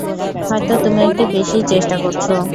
হয়তো তুমি একটু বেশিই চেষ্টা করছ।